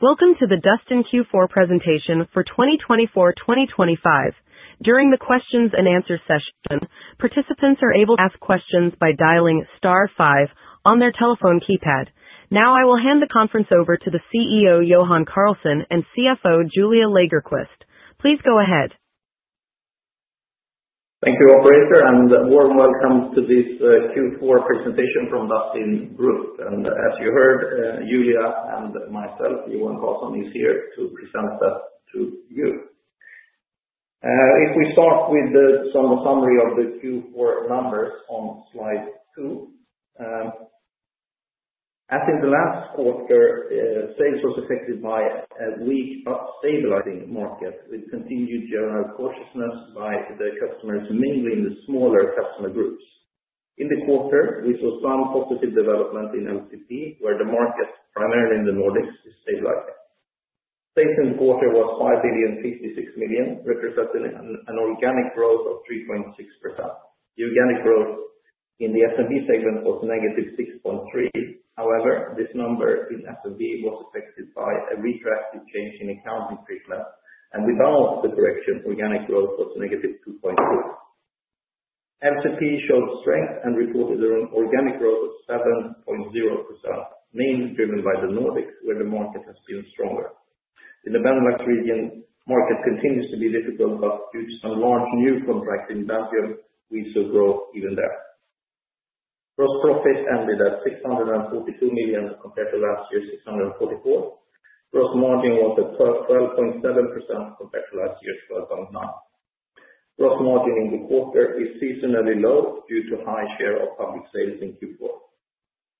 Welcome to the Dustin Q4 presentation for 2024-2025. During the Q&A session, participants are able to ask questions by dialing *5 on their telephone keypad. Now, I will hand the conference over to the CEO Johan Karlsson and CFO Julia Lagerqvist. Please go ahead. Thank you, Operator, and warm welcome to this Q4 presentation from Dustin Group. As you heard, Julia and myself, Johan Karlsson, are here to present that to you. If we start with some summary of the Q4 numbers on slide 2, as in the last quarter, sales were affected by a weak but stabilizing market with continued general cautiousness by the customers, mainly in the smaller customer groups. In the quarter, we saw some positive development in LCP, where the market, primarily in the Nordics, is stabilizing. Sales in the quarter was 5,056 million, representing an organic growth of 3.6%. The organic growth in the SMB segment was -6.3%. However, this number in SMB was affected by a retracted change in accounting treatment, and we balanced the correction. Organic growth was -2.2%. LCP showed strength and reported an organic growth of 7.0%, mainly driven by the Nordics, where the market has been stronger. In the Benelux region, market continues to be difficult, but due to some large new contracts in Belgium, we saw growth even there. Gross profit ended at 642 million compared to last year's 644 million. Gross margin was at 12.7% compared to last year's 12.9%. Gross margin in the quarter is seasonally low due to high share of public sales in Q4.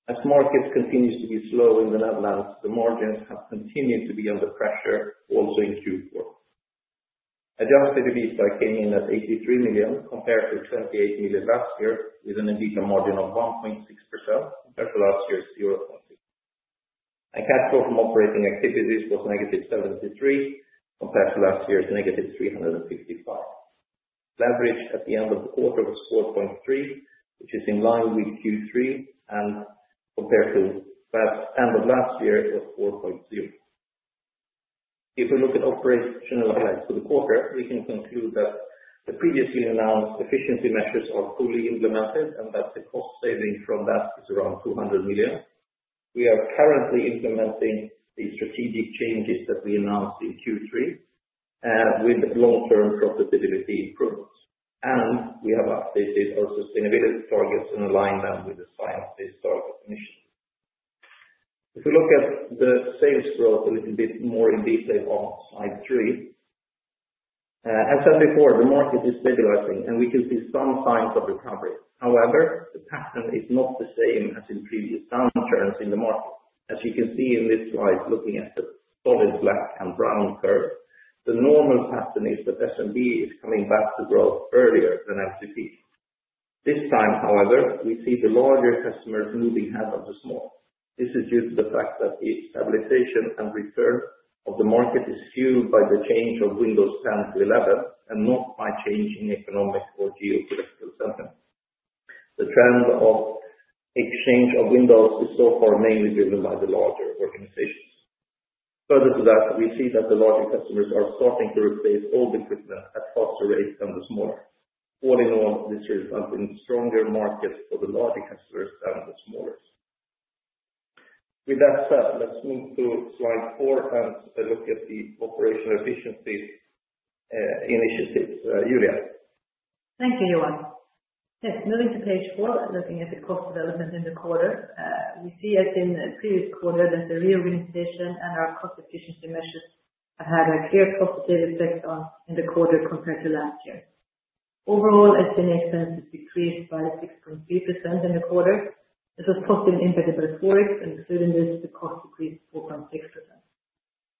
As markets continue to be slow in the Netherlands, the margins have continued to be under pressure also in Q4. Adjusted EBITA came in at 83 million compared to 28 million last year, with an EBITDA margin of 1.6% compared to last year's 0.2%. Cash flow from operating activities was -73% compared to last year's -365%. Leverage at the end of the quarter was 4.3x, which is in line with Q3, and compared to the end of last year, it was 4.0x. If we look at operational effects for the quarter, we can conclude that the previously announced efficiency measures are fully implemented and that the cost saving from that is around 200 million. We are currently implementing the strategic changes that we announced in Q3 with long-term profitability improvements, and we have updated our sustainability targets and aligned them with the science-based target initiative. If we look at the sales growth a little bit more in detail on slide 3, as I said before, the market is stabilizing, and we can see some signs of recovery. However, the pattern is not the same as in previous downturns in the market. As you can see in this slide, looking at the solid black and brown curve, the normal pattern is that SMB is coming back to growth earlier than LCP. This time, however, we see the larger customers moving ahead of the small. This is due to the fact that the stabilization and return of the market is fueled by the change of Windows 10 to 11 and not by changing economic or geopolitical settings. The trend of exchange of Windows is so far mainly driven by the larger organizations. Further to that, we see that the larger customers are starting to replace old equipment at faster rates than the smaller. All in all, this results in stronger markets for the larger customers than the smallers. With that said, let's move to slide 4 and look at the operational efficiency initiatives. Julia. Thank you, Johan. Yes, moving to page 4, looking at the cost development in the quarter, we see, as in the previous quarter, that the reorganization and our cost efficiency measures have had a clear positive effect in the quarter compared to last year. Overall, SMB expenses decreased by 6.3% in the quarter. This was positive in both reports, and including this, the cost decreased 4.6%.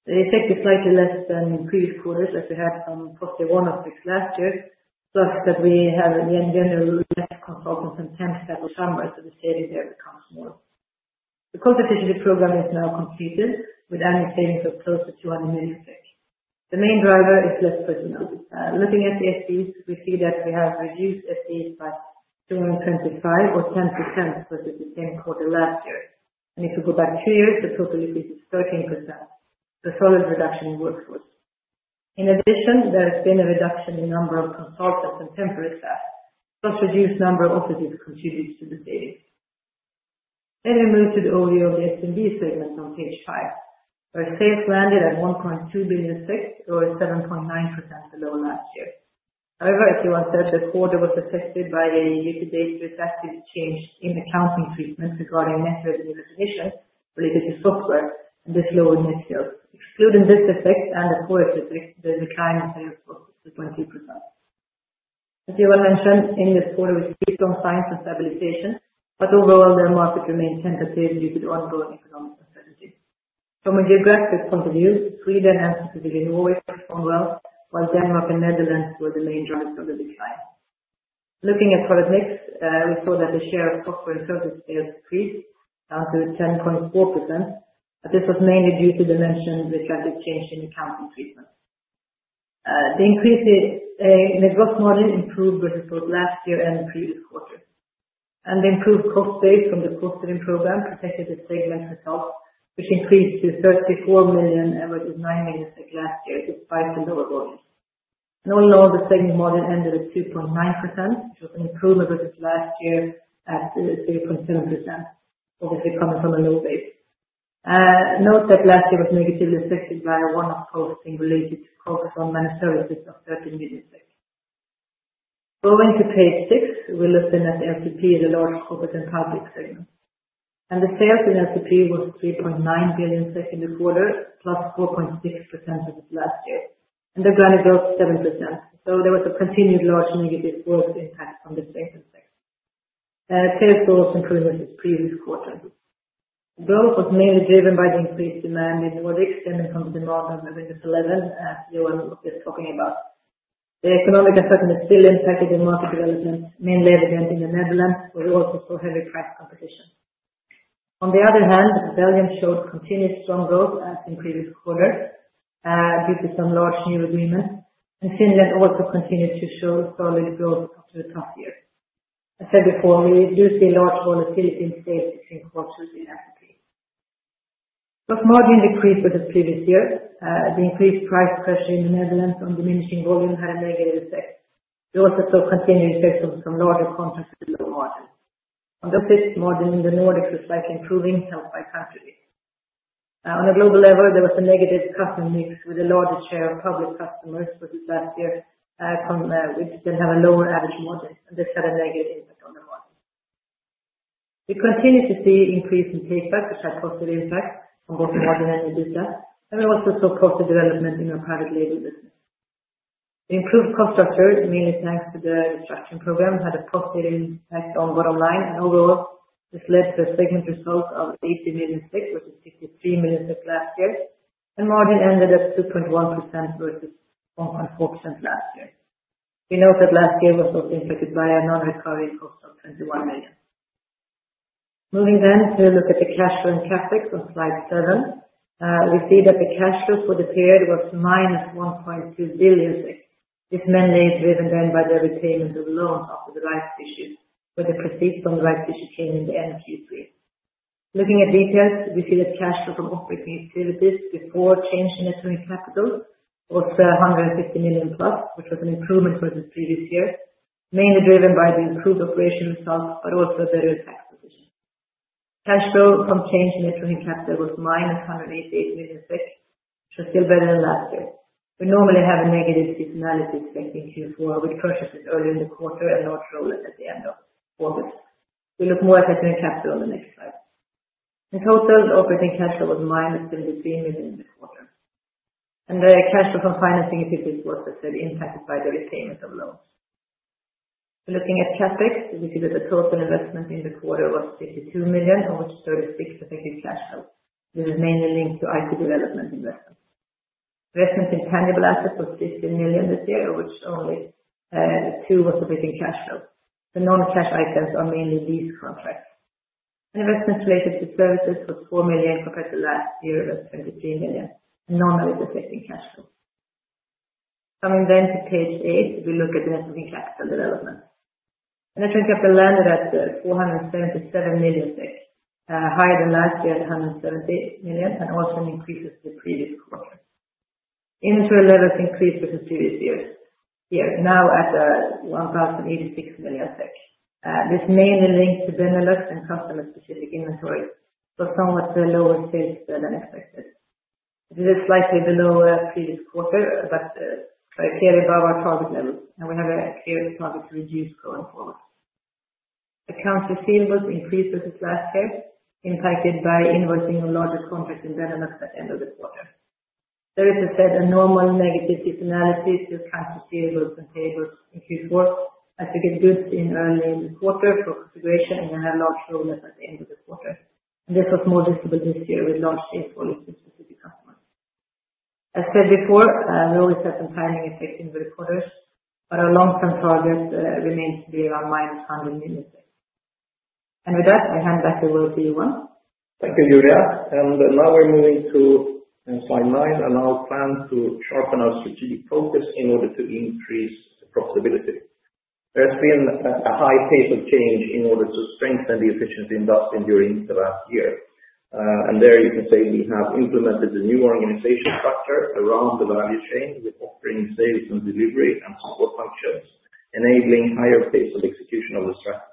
The effect is slightly less than in previous quarters, as we had some positive one-offs last year, such that we have generally fewer consultants and ten stable customers, and the saving there becomes smaller. The cost efficiency program is now completed, with annual savings of close to 200 million. The main driver is less personnel. Looking at the FTEs, we see that we have reduced FTEs by 225 or 10% versus the same quarter last year. If we go back two years, the total decrease is 13%, a solid reduction in workforce. In addition, there has been a reduction in the number of consultants and temporary staff. Plus, a reduced number of offices contributes to the savings. We move to the overview of the SMB segment on page 5, where sales landed at $1.2 billion or 7.9% below last year. However, as Johan said, the quarter was affected by a year-to-date retracted change in accounting treatment regarding net revenue recognition related to software, and this lowered net sales. Excluding this effect and the forest effect, the decline in sales was 6.2%. As Johan mentioned, in this quarter, we see strong signs of stabilization, but overall, the market remained tentative due to the ongoing economic uncertainty. From a geographic point of view, Sweden and specifically Norway performed well, while Denmark and Netherlands were the main drivers of the decline. Looking at product mix, we saw that the share of software and service sales decreased down to 10.4%, but this was mainly due to the mentioned retracted change in accounting treatment. The increase in the gross margin improved versus both last year and the previous quarter. The improved cost base from the cost saving program protected the segment results, which increased to $34 million, averaging $9 million last year, despite the lower volumes. All in all, the segment margin ended at 2.9%, which was an improvement versus last year at 0.7%, obviously coming from a low base. Note that last year was negatively affected by a one-off posting related to focus on managed services of $13 million. Going to page 6, we'll look then at LCP in the large corporate and public segments. The sales in LCP was 3.9 billion in the quarter, plus 4.6% versus last year. The organic growth was 7%. There was a continued large negative growth impact from the segment sector. Sales growth improved versus previous quarter. Growth was mainly driven by the increased demand in Nordics stemming from the demand on Windows 11, as Johan was just talking about. The economic uncertainty still impacted the market development, mainly evident in the Netherlands, where we also saw heavy price competition. On the other hand, Belgium showed continued strong growth, as in previous quarters, due to some large new agreements. Finland also continued to show solid growth after a tough year. As I said before, we do see large volatility in sales between quarters in LCP. Gross margin decreased versus previous year. The increased price pressure in the Netherlands on diminishing volume had a negative effect. We also saw continued effects from larger contracts with low margins. Conversely, margin in the Nordics was slightly improving, helped by country mix. On a global level, there was a negative customer mix with a larger share of public customers versus last year, which then had a lower average margin. This had a negative impact on the margin. We continue to see increase in payback, which had positive impact on both margin and EBITDA. We also saw positive development in our private label business. The improved cost structure, mainly thanks to the restructuring program, had a positive impact on bottom line. Overall, this led to a segment result of 80 million, versus 63 million last year. Margin ended at 2.1% versus 1.4% last year. We note that last year was also impacted by a non-recovery cost of 21 million. Moving to look at the cash flow and CapEx on slide 7, we see that the cash flow for the period was minus 1.2 billion. This mainly is driven by the repayment of loans after the rights issue, where the proceeds from the rights issue came in the end of Q3. Looking at details, we see that cash flow from operating activities before change in net working capital was 150 million plus, which was an improvement versus previous year, mainly driven by the improved operation results, but also better tax position. Cash flow from change in net working capital was minus 188 million, which was still better than last year. We normally have a negative seasonality expecting Q4, with purchases earlier in the quarter and no trolling at the end of August. We look more at net working capital on the next slide. In total, operating cash flow was minus 73 million in the quarter. The cash flow from financing activities was, as I said, impacted by the repayment of loans. Looking at CapEx, we see that the total investment in the quarter was 52 million, of which 36 million affected cash flow. This is mainly linked to IT development investments. Investments in tangible assets was 15 million this year, of which only 2 million was affecting cash flow. The non-cash items are mainly lease contracts. Investments related to services was 4 million compared to last year at 23 million, and normally it is affecting cash flow. Coming then to page 8, we look at the net working capital development. The net working capital landed at 477 million, higher than last year at 170 million, and also an increase over the previous quarter. Inventory levels increased versus previous year, now at 1,086 million. This is mainly linked to Benelux and customer-specific inventory, so somewhat lower sales than expected. This is slightly below previous quarter, but clearly above our target levels. We have a clear target to reduce going forward. Accounts receivables increased versus last year, impacted by invoicing on larger contracts in Benelux at the end of the quarter. There is, as I said, a normal negative seasonality to accounts receivables and payables in Q4, as we get goods in early in the quarter for configuration and then have large rollouts at the end of the quarter. This was more visible this year with large sales volumes to specific customers. As I said before, we always have some timing effect in the quarters, but our long-term target remains to be around -$100 million. With that, I hand back the word to Johan. Thank you, Julia. Now we're moving to slide 9, and our plan to sharpen our strategic focus in order to increase profitability. There has been a high pace of change in order to strengthen the efficiency investment during the last year. You can say we have implemented the new organization structure around the value chain, with offering sales and delivery and support functions, enabling higher pace of execution of the strategy.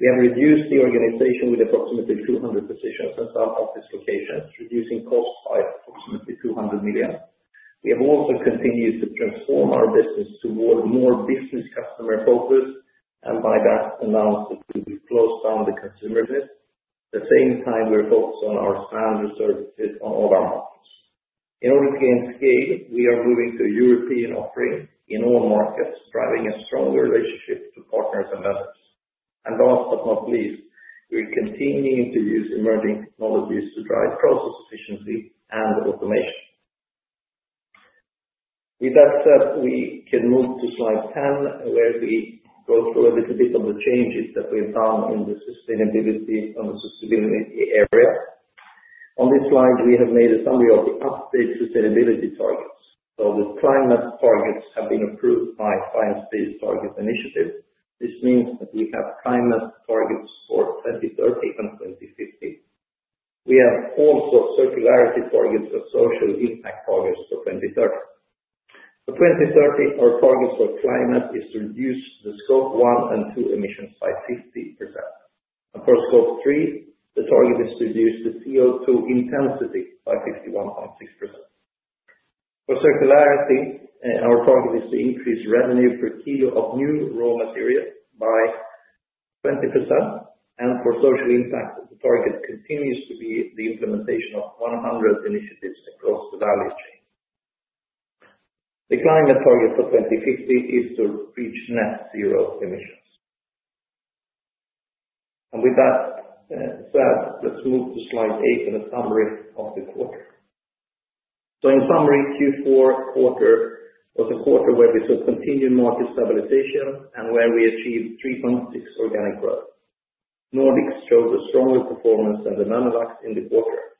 We have reduced the organization with approximately 200 positions and some office locations, reducing cost by approximately 200 million. We have also continued to transform our business toward more business customer focus, and by that announced that we've closed down the consumer list. At the same time, we're focused on our standard services on all our markets. In order to gain scale, we are moving to a European offering in all markets, driving a stronger relationship to partners and vendors. Last but not least, we're continuing to use emerging technologies to drive process efficiency and automation. With that said, we can move to slide 10, where we go through a little bit of the changes that we've done in the sustainability and the sustainability area. On this slide, we have made a summary of the updated sustainability targets. The climate targets have been approved by the science-based target initiative. This means that we have climate targets for 2030 and 2050. We also have circularity targets as social impact targets for 2030. For 2030, our target for climate is to reduce the scope 1 and 2 emissions by 50%. For scope 3, the target is to reduce the CO2 intensity by 51.6%. For circularity, our target is to increase revenue per kilo of new raw materials by 20%. For social impact, the target continues to be the implementation of 100 initiatives across the value chain. The climate target for 2050 is to reach net zero emissions. With that said, let's move to slide 8 and a summary of the quarter. In summary, Q4 quarter was a quarter where we saw continued market stabilization and where we achieved 3.6% organic growth. Nordics showed a stronger performance than the Netherlands in the quarter.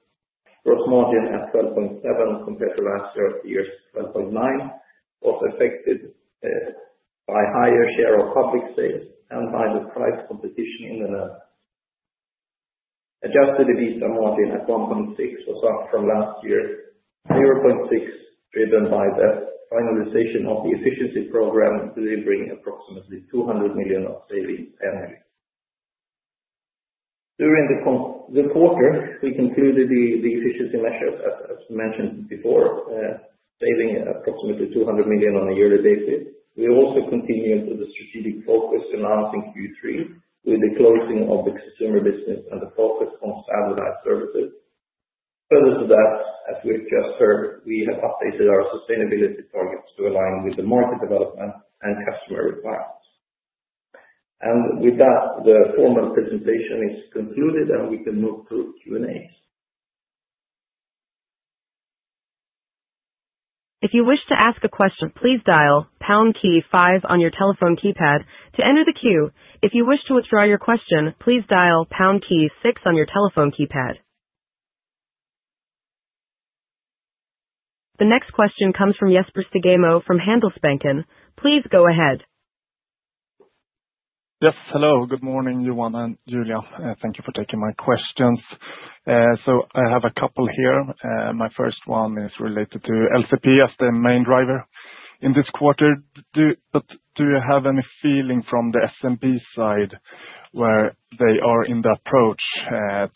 Gross margin at 12.7% compared to last year, 12.9%, was affected by a higher share of public sales and by the price competition in the Netherlands. Adjusted EBITDA margin at 1.6% was up from last year's 0.6%, driven by the finalization of the efficiency program, delivering approximately $200 million of savings annually. During the quarter, we concluded the efficiency measures, as mentioned before, saving approximately 200 million on a yearly basis. We also continued with the strategic focus announced in Q3, with the closing of the consumer business and the focus on standardized services. Further to that, as we've just heard, we have updated our sustainability targets to align with the market development and customer requirements. With that, the formal presentation is concluded, and we can move to Q&A. If you wish to ask a question, please dial #5 on your telephone keypad to enter the queue. If you wish to withdraw your question, please dial #6 on your telephone keypad. The next question comes from Jesper Stugemo from Handelsbanken. Please go ahead. Yes, hello. Good morning, Johan and Julia. Thank you for taking my questions. I have a couple here. My first one is related to LCP as the main driver in this quarter. Do you have any feeling from the SMB side where they are in the approach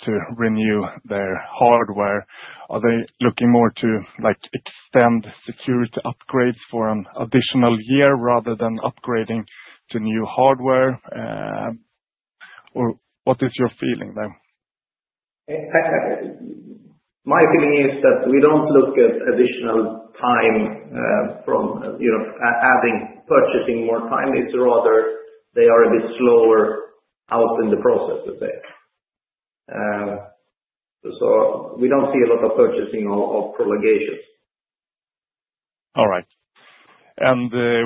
to renew their hardware? Are they looking more to extend security upgrades for an additional year rather than upgrading to new hardware? What is your feeling there? My feeling is that we don't look at additional time from adding, purchasing more time. It's rather they are a bit slower out in the process, let's say. So we don't see a lot of purchasing or prolongations. All right.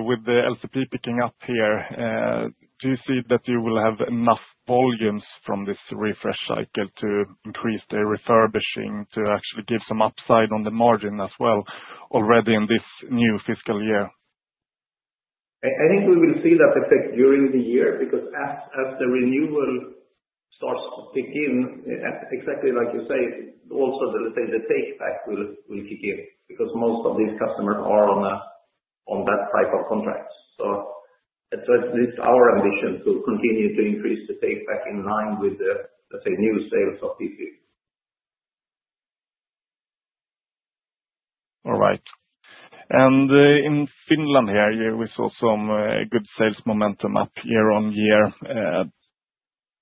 With the LCP picking up here, do you see that you will have enough volumes from this refresh cycle to increase their refurbishing, to actually give some upside on the margin as well already in this new fiscal year? I think we will see that effect during the year because as the renewal starts to kick in, exactly like you say, also the take-back will kick in because most of these customers are on that type of contracts. It is our ambition to continue to increase the take-back in line with the new sales of these years. All right. In Finland here, we saw some good sales momentum up year on year.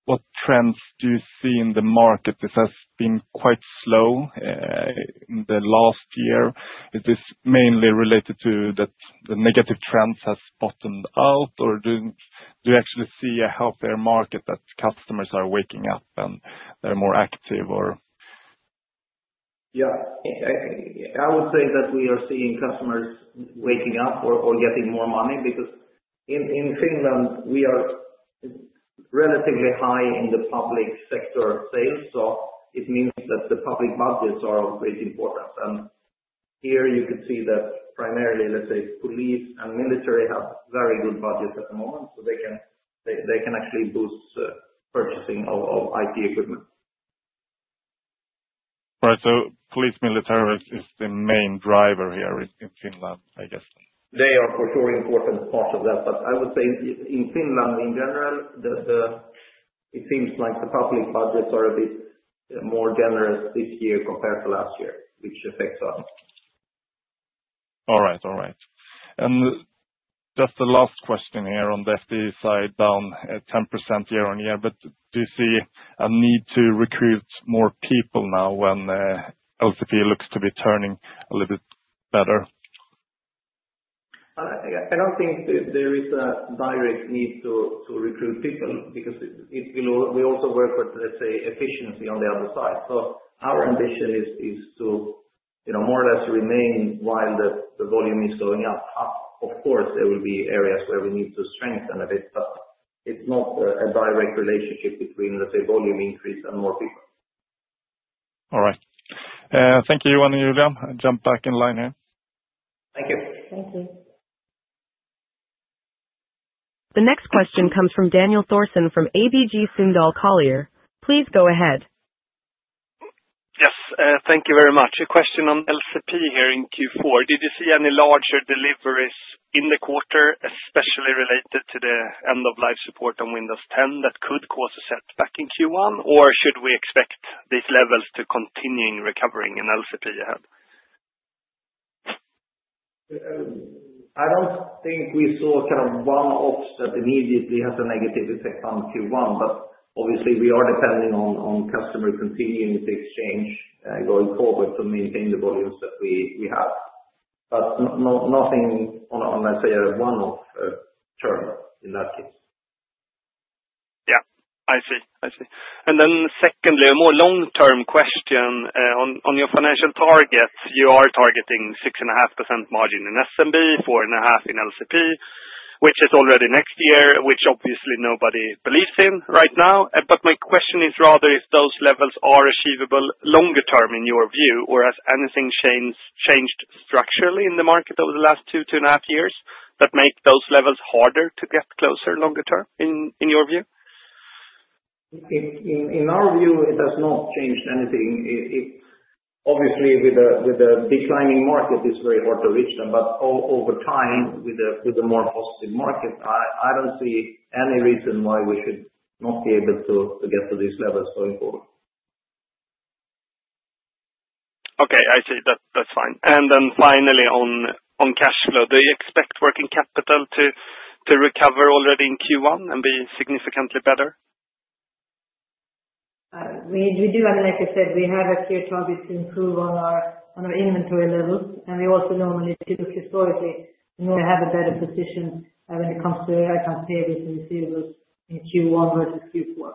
What trends do you see in the market? This has been quite slow in the last year. Is this mainly related to that the negative trends have bottomed out, or do you actually see a healthier market that customers are waking up and they are more active? Yeah. I would say that we are seeing customers waking up or getting more money because in Finland, we are relatively high in the public sector sales. It means that the public budgets are of great importance. Here you could see that primarily, let's say, police and military have very good budgets at the moment, so they can actually boost purchasing of IT equipment. All right. So police and military is the main driver here in Finland, I guess. They are for sure an important part of that. I would say in Finland, in general, it seems like the public budgets are a bit more generous this year compared to last year, which affects us. All right. All right. Just the last question here on the FDE side, down 10% year on year. Do you see a need to recruit more people now when LCP looks to be turning a little bit better? I don't think there is a direct need to recruit people because we also work with, let's say, efficiency on the other side. Our ambition is to more or less remain while the volume is going up. Of course, there will be areas where we need to strengthen a bit, but it's not a direct relationship between, let's say, volume increase and more people. All right. Thank you, Johan and Julia. I'll jump back in line here. Thank you. Thank you. The next question comes from Daniel Thorsen from ABG Sundal Collier. Please go ahead. Yes. Thank you very much. A question on LCP here in Q4. Did you see any larger deliveries in the quarter, especially related to the end-of-life support on Windows 10 that could cause a setback in Q1? Or should we expect these levels to continue recovering in LCP ahead? I don't think we saw kind of one offset immediately has a negative effect on Q1. Obviously, we are depending on customers continuing to exchange going forward to maintain the volumes that we have. Nothing on, let's say, a one-off term in that case. Yeah. I see. I see. Then secondly, a more long-term question. On your financial targets, you are targeting 6.5% margin in SMB, 4.5% in LCP, which is already next year, which obviously nobody believes in right now. My question is rather if those levels are achievable longer term in your view, or has anything changed structurally in the market over the last two, two and a half years that make those levels harder to get closer longer term in your view? In our view, it has not changed anything. Obviously, with a declining market, it's very hard to reach them. Over time, with a more positive market, I don't see any reason why we should not be able to get to these levels going forward. Okay. I see. That's fine. Then finally, on cash flow, do you expect working capital to recover already in Q1 and be significantly better? We do. I mean, like I said, we have a clear target to improve on our inventory levels. I mean, we also know historically we have a better position when it comes to accounts payable and receivables in Q1 versus Q4.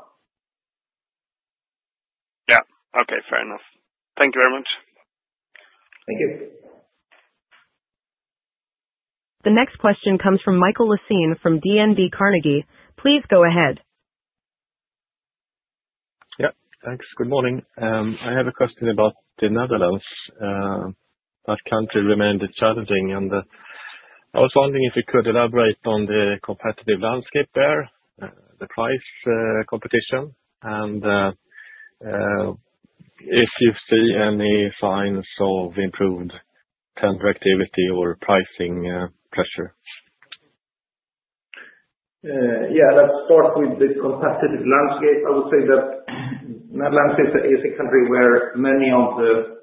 Yeah. Okay. Fair enough. Thank you very much. Thank you. The next question comes from Michael Lesein from DNB Carnegie. Please go ahead. Yep. Thanks. Good morning. I have a question about the Netherlands. That country remained challenging. I was wondering if you could elaborate on the competitive landscape there, the price competition, and if you see any signs of improved tender activity or pricing pressure. Yeah. Let's start with the competitive landscape. I would say that the Netherlands is a country where many of the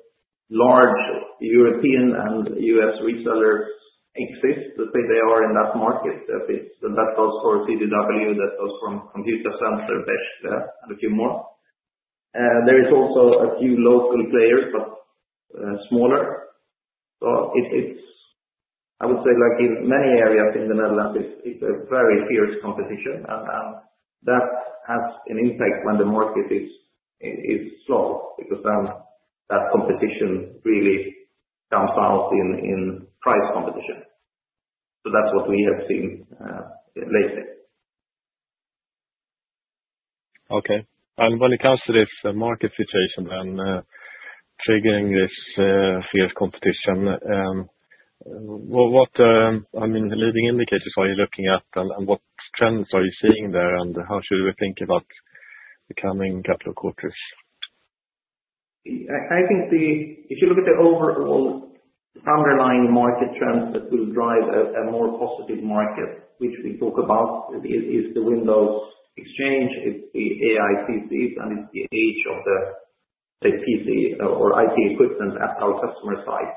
large European and US resellers exist. Let's say they are in that market. That goes for CDW, that goes for Computacenter-based and a few more. There are also a few local players, but smaller. I would say in many areas in the Netherlands, it's a very fierce competition. That has an impact when the market is slow because then that competition really comes out in price competition. That's what we have seen lately. Okay. When it comes to this market situation and triggering this fierce competition, what leading indicators are you looking at, and what trends are you seeing there, and how should we think about the coming couple of quarters? I think if you look at the overall underlying market trends that will drive a more positive market, which we talk about, is the Windows exchange, it's the AI PCs, and it's the age of the PC or IT equipment at our customer side.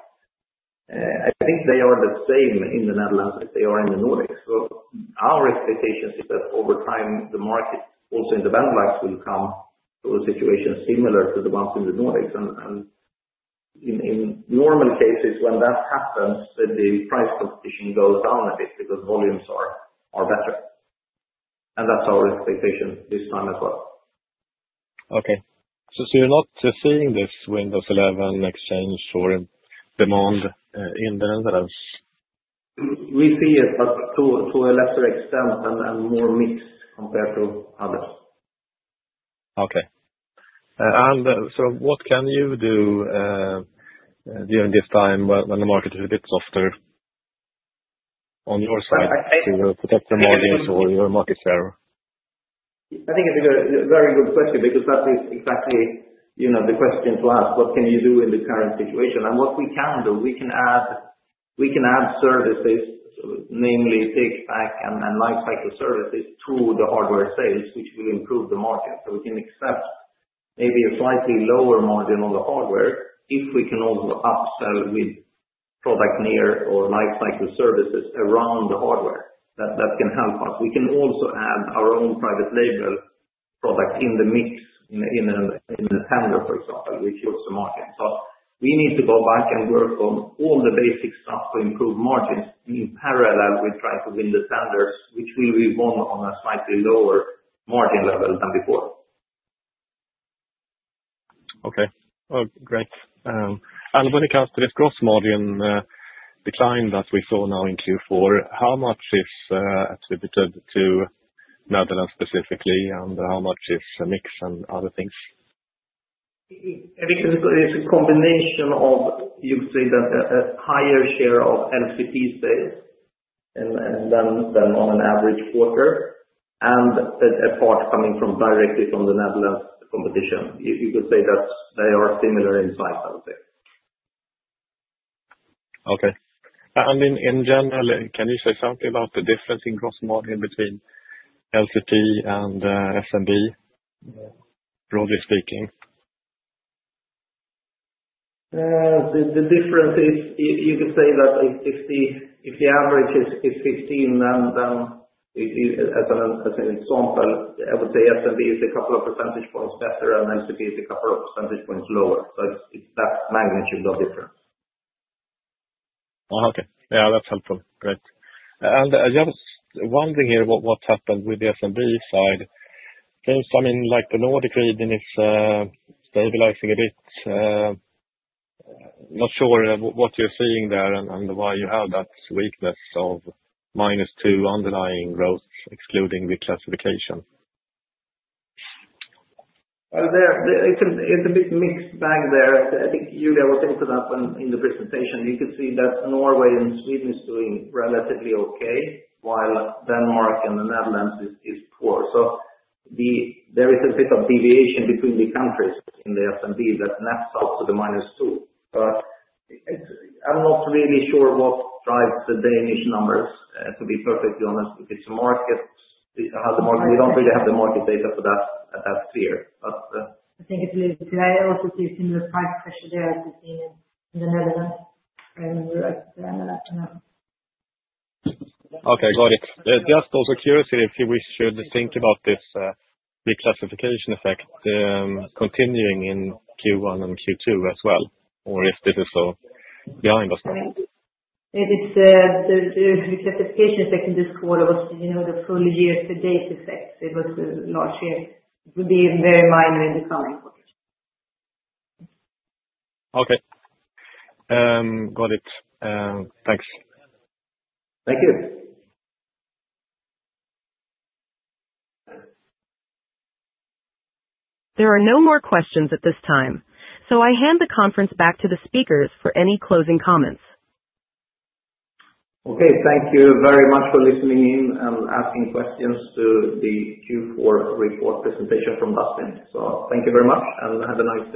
I think they are the same in the Netherlands as they are in the Nordics. Our expectation is that over time, the market, also in the Benelux, will come to a situation similar to the ones in the Nordics. In normal cases, when that happens, the price competition goes down a bit because volumes are better. That's our expectation this time as well. Okay. So you're not seeing this Windows 11 exchange or demand in the Netherlands? We see it, but to a lesser extent and more mixed compared to others. Okay. What can you do during this time when the market is a bit softer on your side to protect the margins or your market share? I think it's a very good question because that is exactly the question to ask. What can you do in the current situation? What we can do, we can add services, namely take-back and lifecycle services to the hardware sales, which will improve the market. We can accept maybe a slightly lower margin on the hardware if we can also upsell with product near or lifecycle services around the hardware that can help us. We can also add our own private label product in the mix in a tender, for example, which helps the market. We need to go back and work on all the basic stuff to improve margins in parallel with trying to win the tenders, which will be won on a slightly lower margin level than before. Okay. Great. When it comes to this gross margin decline that we saw now in Q4, how much is attributed to Netherlands specifically, and how much is mix and other things? I think it's a combination of, you could say, a higher share of LCP sales than on an average quarter, and a part coming directly from the Netherlands competition. You could say that they are similar in size, I would say. Okay. In general, can you say something about the difference in gross margin between LCP and SMB, broadly speaking? The difference is, you could say that if the average is 15, then as an example, I would say SMB is a couple of percentage points better, and LCP is a couple of percentage points lower. It is that magnitude of difference. Okay. Yeah. That's helpful. Great. Just wondering here, what happened with the SMB side? I mean, the Nordic region is stabilizing a bit. Not sure what you're seeing there and why you have that weakness of minus two underlying growth, excluding reclassification. It's a bit mixed bag there. I think Julia was hinting at that in the presentation. You could see that Norway and Sweden is doing relatively okay, while Denmark and the Netherlands is poor. There is a bit of deviation between the countries in the SMB that maps out to the minus two. I'm not really sure what drives the Danish numbers, to be perfectly honest. If it's a market, we don't really have the market data for that sphere. I think it's a little bit similar. I also see similar price pressure there, as we've seen in the Netherlands and the U.S. and Latin America. Okay. Got it. Just also curious if we should think about this reclassification effect continuing in Q1 and Q2 as well, or if this is behind us now. It is. The reclassification effect in this quarter was the full year-to-date effect. It was a large year. It will be very minor in the coming quarter. Okay. Got it. Thanks. Thank you. There are no more questions at this time. I hand the conference back to the speakers for any closing comments. Okay. Thank you very much for listening in and asking questions to the Q4 report presentation from Dustin. Thank you very much, and have a nice day.